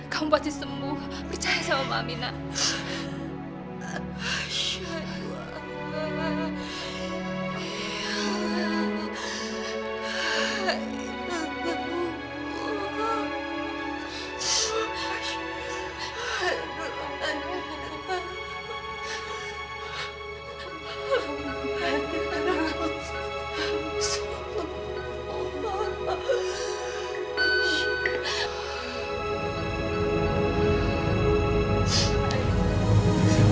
kamu pasti semua percaya sama mama nak